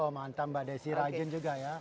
mantap mbak desi rajin juga ya